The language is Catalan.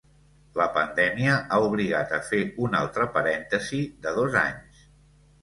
La pandèmia ha obligat a fer un altre parèntesi de dos anys.